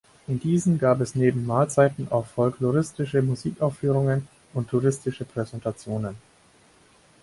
In diesen gab es neben Mahlzeiten auch folkloristische Musikaufführungen und touristische Präsentationen.